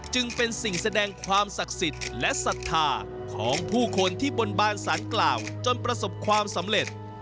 จึงเป็นสิ่งแสดงความศักดิ์สิทธิ์และศรัทธาของผู้คนที่บนบานสารกล่าวจนประสบความสำเร็จ